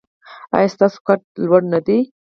ایا ستاسو قد لوړ نه دی؟